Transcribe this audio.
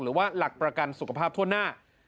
หลักประกันสุขภาพทั่วหน้า